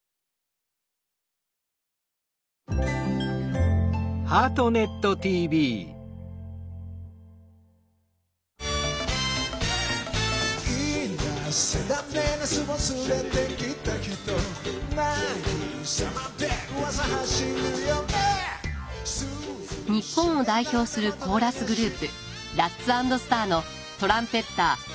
日本を代表するコーラスグループラッツ＆スターのトランペッター